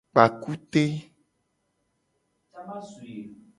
Kpa kute.